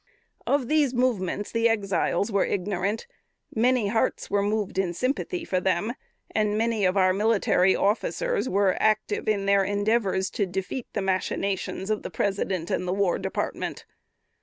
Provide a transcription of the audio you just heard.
Of these movements the Exiles were ignorant. Many hearts were moved in sympathy for them, and many of our military officers were active in their endeavors to defeat the machinations of the President and the War Department.